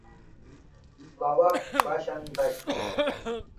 Lawak Bashan day